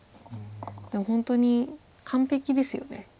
でも本当に完璧ですよね。